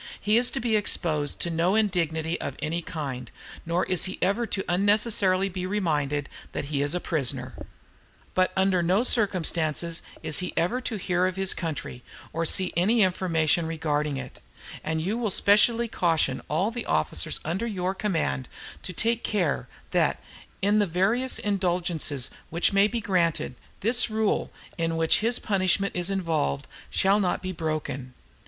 He is to be exposed to no indignity of any kind, nor is he ever unnecessarily to be reminded that he is a prisoner. "But under no circumstances is he ever to hear of his country or to see any information regarding it; and you will especially caution all the officers under your command to take care, that, in the various indulgences which may be granted, this rule, in which his punishment is involved, shall not be broken.